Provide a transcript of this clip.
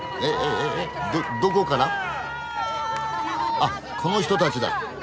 あっこの人たちだ。